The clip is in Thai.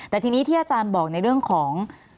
แต่ทีนี้ที่อาจารย์บอกในเรื่องของ